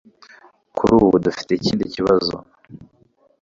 Kuri ubu, dufite ikindi kibazo